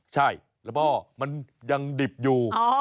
ใช่แล้วก็มันยังดิบอยู่